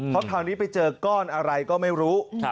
เพราะคราวนี้ไปเจอก้อนอะไรก็ไม่รู้